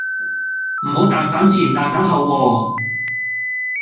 唔好蛋散前蛋散後喎